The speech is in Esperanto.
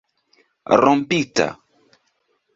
rompita